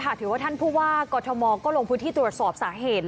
ถือว่าท่านผู้ว่ากอทมก็ลงพื้นที่ตรวจสอบสาเหตุ